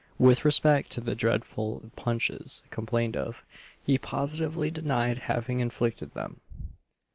With respect to the "dreadful punches" complained of, he positively denied having inflicted them.